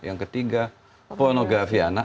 yang ketiga pornografi anak